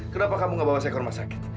kenapa kamu tidak bawa saya ke rumah sakit